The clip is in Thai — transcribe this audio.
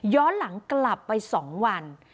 ย้อนหลังกลับไป๒วัน